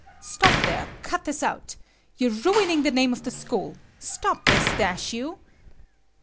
"Stop there! Cut this out! You're ruining the name of the school! Stop this, dash you!"